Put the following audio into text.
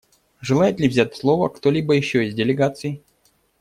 Желает ли взять слово кто-либо еще из делегаций?